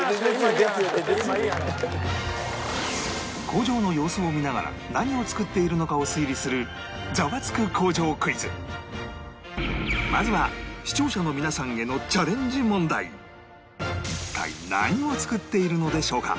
工場の様子を見ながら何を作っているのかを推理するまずは視聴者の皆さんへの一体何を作っているのでしょうか？